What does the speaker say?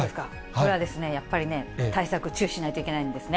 それはですね、やっぱり対策、注意しないといけないんですね。